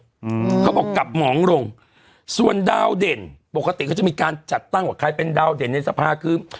อืมเขาบอกกับหมองลงส่วนดาวเด่นปกติเขาจะมีการจัดตั้งว่าใครเป็นดาวเด่นในสภาคือ